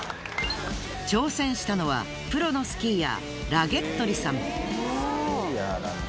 挑戦したのはプロのスキーヤーラゲットリさん。